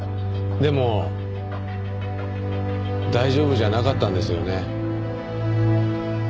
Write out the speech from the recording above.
でも大丈夫じゃなかったんですよね。